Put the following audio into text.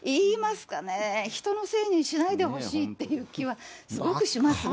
人のせいにしないでほしいっていう気はすごくしますね。